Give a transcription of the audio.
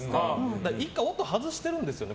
だから１回音を外してるんですよね